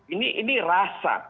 ini ini rasa